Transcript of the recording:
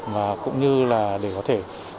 và cũng như là để có thể